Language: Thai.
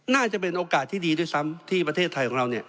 น่าจะเป็นโอกาสที่ดีด้วยซ้ำที่ประเทศไทยของเรา